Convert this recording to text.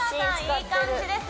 いい感じです